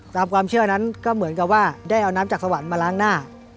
ตามความเชื่อนั้นก็เหมือนกับว่าได้เอาน้ำจากสวรรค์มาล้างหน้า